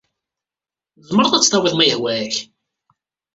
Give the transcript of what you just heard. Tzemreḍ ad tt-tawiḍ ma yehwa-ak.